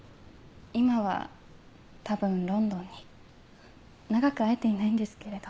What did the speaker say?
今は多分ロンドンに。長く会えていないんですけれど。